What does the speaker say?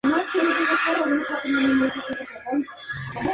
El ganador se lleva cinco millones de pesos.